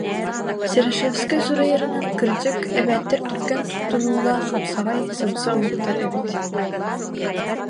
Серошевскай суруйарынан, кырдьык, эбээттэр түргэн туттунуулаах, хапсаҕай, сымса омуктар эбит